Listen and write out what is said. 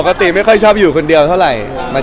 ชินมั้ยเริ่มอยู่คนเดียวแล้วเนี่ย